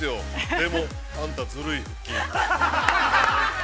でも、あんたズルい腹筋。